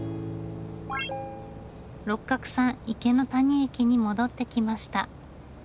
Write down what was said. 六角さん池谷駅に戻ってきました。